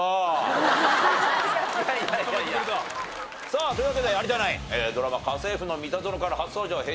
さあというわけで有田ナインドラマ『家政夫のミタゾノ』から初登場Ｈｅｙ！